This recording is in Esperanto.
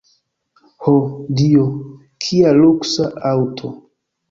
Ho, Dio, kia luksa aŭto!